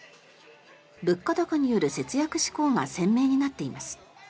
物価高による節約志向が鮮明になっています。